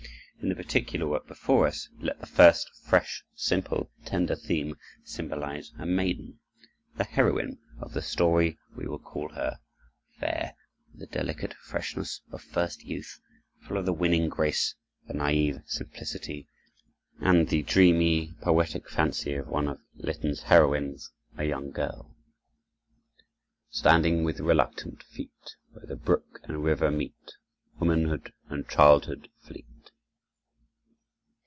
In the particular work before us, let the first fresh, simple, tender theme symbolize a maiden, the heroine of the story we will call her, fair, with the delicate freshness of first youth, full of the winning grace, the naïve simplicity and the dreamy poetic fancy of one of Lytton's heroines: a young girl, "Standing with reluctant feet Where the brook and river meet— Womanhood and childhood fleet."